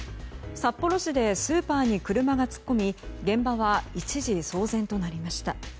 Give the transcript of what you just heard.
札幌市でスーパーに車が突っ込み現場は一時騒然となりました。